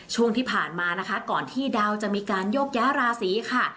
ช่วงที่ผ่านมานะคะก่อนที่ดาวจะมีการโยกย้าราศีค่ะ